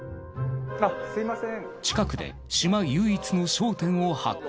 近くで島唯一の商店を発見。